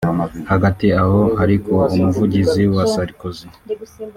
Hagati aho ariko umuvugizi wa Sarkozy